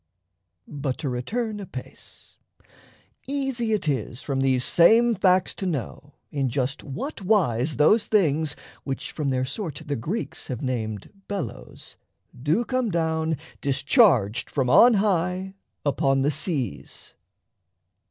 But to return apace, Easy it is from these same facts to know In just what wise those things (which from their sort The Greeks have named "bellows") do come down, Discharged from on high, upon the seas.